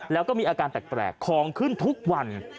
แล้วก็มีอาการแปลกของขึ้นทุกวัน